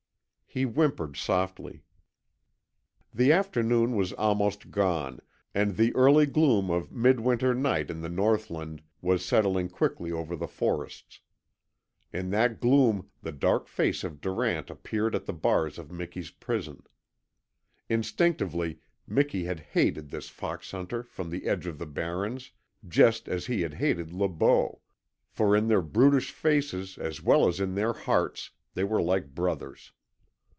He whimpered softly. The afternoon was almost gone, and the early gloom of mid winter night in the Northland was settling thickly over the forests. In that gloom the dark face of Durant appeared at the bars of Miki's prison. Instinctively Miki had hated this foxhunter from the edge of the Barrens, just as he had hated Le Beau, for in their brutish faces as well as in their hearts they were like brothers.